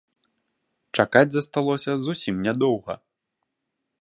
Чакаць засталося зусім нядоўга.